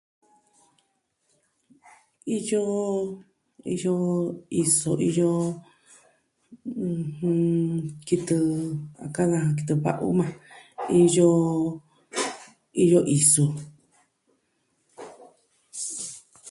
Iyo, iyo iso, iyo... kitɨ, a ka'an daja kitɨ va'u yukuan, iyo, iyo isu.